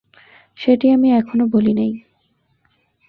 সেটি আমি এখনও বলি নাই।